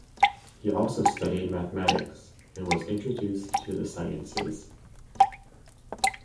He also studied mathematics and was introduced to the sciences.